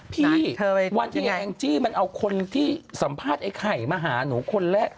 วันที่อย่างแองจี้มันเอาคนที่สัมภาษณ์ไอ้ไข่มาหาหนูคนแรก